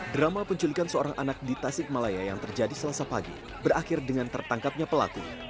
drama penculikan seorang anak di tasik malaya yang terjadi selasa pagi berakhir dengan tertangkapnya pelaku